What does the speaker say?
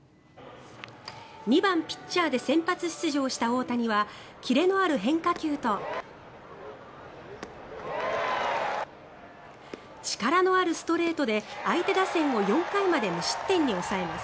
２番ピッチャーで先発出場した大谷はキレのある変化球と力のあるストレートで相手打線を４回まで無失点に抑えます。